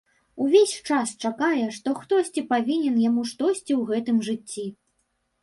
Увесь час чакае, што хтосьці павінен яму штосьці ў гэтым жыцці.